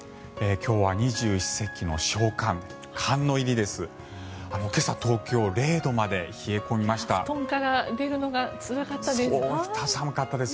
今日は二十四節気の小寒寒の入りです。